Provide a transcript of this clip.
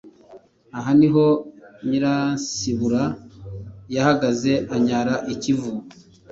Aha niho Nyiransibura yahagaze anyara i Kivu